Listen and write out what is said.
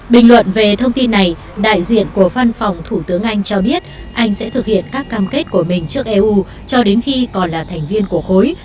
bình luận về thông tin này đại diện của văn phòng thủ tướng anh cho biết anh sẽ thực hiện các cam kết của mình trước eu cho đến khi còn là thành viên của khối